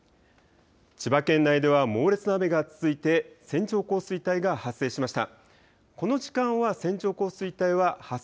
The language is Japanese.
千葉県内で猛烈な雨が続いて線状降水帯が発生しました。